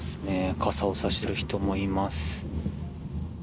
傘を差している人もいます。